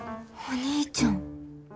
お兄ちゃん。